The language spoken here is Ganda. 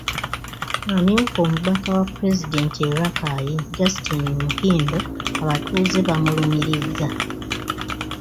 Amyuka omubaka wa Pulezidenti e Rakai, Justine Muhindo abatuuze bamulumirizza.